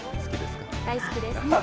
大好きです。